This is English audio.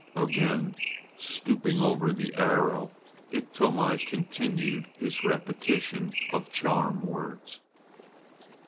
Again stooping over the arrow Iktomi continued his repetition of charm words.